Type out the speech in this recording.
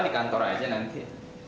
di kantor aja nanti